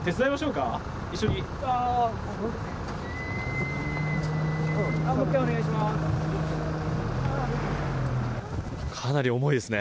かなり重いですね。